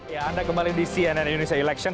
ya anda kembali di cnn indonesia election